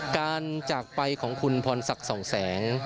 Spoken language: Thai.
จากไปของคุณพรศักดิ์สองแสง